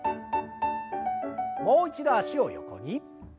もう一度脚を横に。